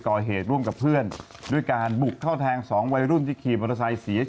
คุณสงการน่าจะกล้ามใหญ่กว่านี้